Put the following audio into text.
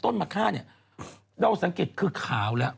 เซียสังเกียจคือขาวแล้ว